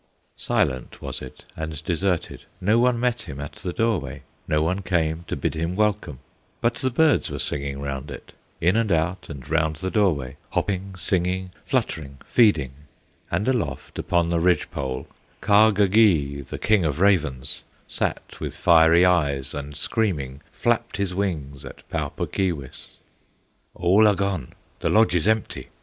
Silent was it and deserted; No one met him at the doorway, No one came to bid him welcome; But the birds were singing round it, In and out and round the doorway, Hopping, singing, fluttering, feeding, And aloft upon the ridge pole Kahgahgee, the King of Ravens, Sat with fiery eyes, and, screaming, Flapped his wings at Pau Puk Keewis. "All are gone! the lodge is empty!"